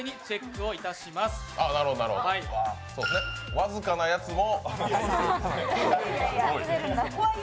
僅かなやつも。